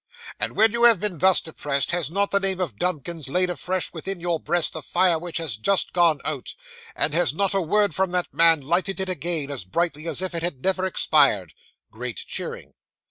And when you have been thus depressed, has not the name of Dumkins laid afresh within your breast the fire which had just gone out; and has not a word from that man lighted it again as brightly as if it had never expired? (Great cheering.)